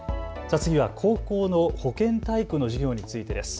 次は高校の保健体育の授業についてです。